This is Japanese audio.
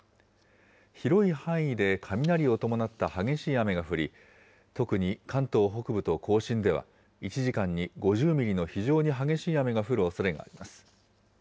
広い範囲で雷を伴った激しい雨が降り、特に関東北部と甲信では、１時間に５０ミリの非常に激しい雨が降るおそれがあります。